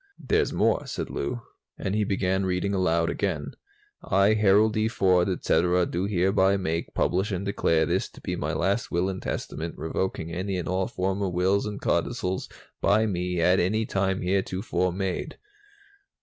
"There's more," said Lou, and he began reading aloud again: "'I, Harold D. Ford, etc., do hereby make, publish and declare this to be my last Will and Testament, revoking any and all former wills and codicils by me at any time heretofore made.'"